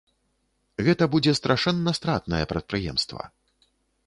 Гэта будзе страшэнна стратнае прадпрыемства.